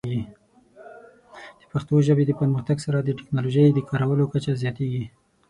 د پښتو ژبې د پرمختګ سره، د ټیکنالوجۍ د کارولو کچه زیاتېږي.